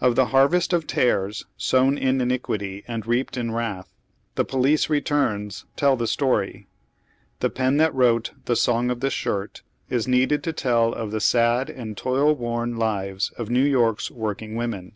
i~\^ the harvest o£ tares, sown in iniquity and reaped ^^ in wrath, the police refcnnia tell the story. The pen tliat wi ote tiie " Song of the Shirt " is needed to tell of the sad and toil worn lives of New York's working women.